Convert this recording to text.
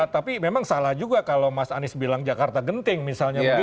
tapi memang salah juga kalau mas anies bilang jakarta genting misalnya begitu